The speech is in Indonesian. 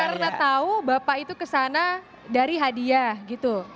karena tahu bapak itu kesana dari hadiah gitu